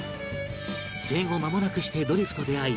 生後まもなくしてドリフと出会い